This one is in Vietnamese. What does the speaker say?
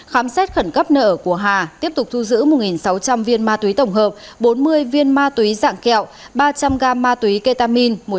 khám xét khẩn cấp nợ của hà tiếp tục thu giữ một sáu trăm linh viên ma túy tổng hợp bốn mươi viên ma túy dạng kẹo ba trăm linh gam ma túy ketamine